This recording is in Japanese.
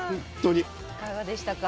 いかがでしたか？